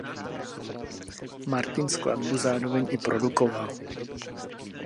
Martin skladbu zároveň i produkoval.